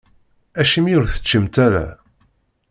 Acimi ur teččimt ara?